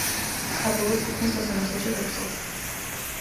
საბოლოოდ საქმე სასამართლოში გაგრძელდა.